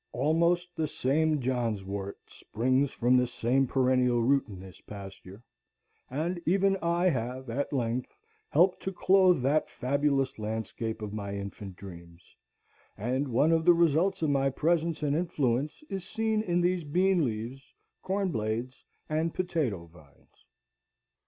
Almost the same johnswort springs from the same perennial root in this pasture, and even I have at length helped to clothe that fabulous landscape of my infant dreams, and one of the results of my presence and influence is seen in these bean leaves, corn blades, and potato vines.